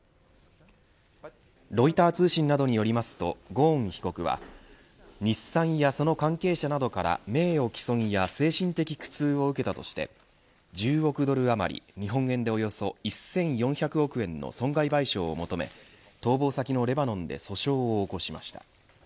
ロイター通信などによりますとゴーン被告は日産やその関係者などから名誉毀損や精神的苦痛を受けたとして１０億ドルあまり日本円でおよそ１４００億円の損害賠償を求め逃亡先のレバノンで訴訟を起こしました。